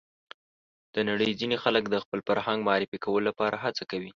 د نړۍ ځینې خلک د خپل فرهنګ معرفي کولو لپاره هڅه کوي.